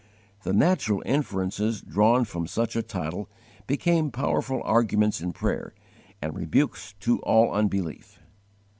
The natural inferences drawn from such a title became powerful arguments in prayer, and rebukes to all unbelief.